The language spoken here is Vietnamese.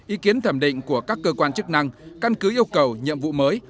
ý kiến thẩm định của các cơ quan chức năng căn cứ yêu cầu nhiệm vụ mới